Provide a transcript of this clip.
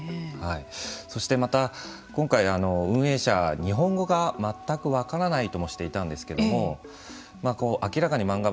そしてまた今回運営者が日本語が全く分からないともしていたんですけれども明らかに漫画